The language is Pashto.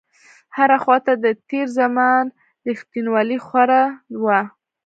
هره خواته د تېر زمان رښتينولۍ خوره وه.